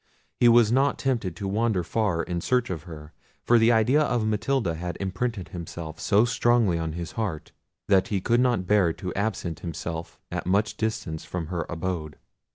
He was not tempted to wander far in search of her, for the idea of Matilda had imprinted itself so strongly on his heart, that he could not bear to absent himself at much distance from her abode.